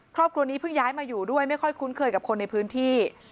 ครอบครัวนี้เพิ่งย้ายมาอยู่ด้วยไม่ค่อยคุ้นเคยกับคนในพื้นที่